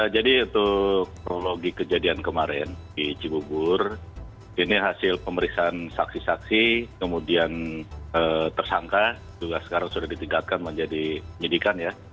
jadi untuk kronologi kejadian kemarin di cibubur ini hasil pemeriksaan saksi saksi kemudian tersangka juga sekarang sudah ditingkatkan menjadi nyidikan ya